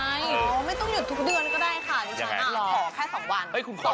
ไม่ต้องหยุดทุกเดือนก็ได้ค่ะดิฉัน